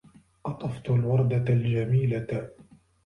قَطَفْتُ الْوردةَ الْجَمِيلَةَ.